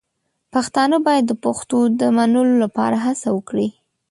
پښتانه باید د پښتو د منلو لپاره هڅه وکړي.